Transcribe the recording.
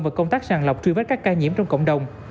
và công tác sàng lọc truy vết các ca nhiễm trong cộng đồng